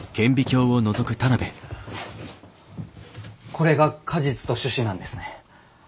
これが果実と種子なんですね。